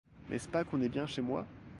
N'est-ce pas qu'on est bien chez moi?